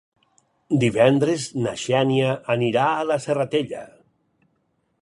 Divendres na Xènia anirà a la Serratella.